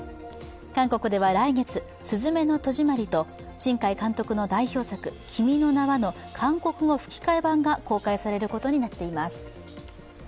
韓国では来月、「すずめの戸締まり」と新海監督の代表作「君の名は」の韓国語吹き替え版が公開されることになっています。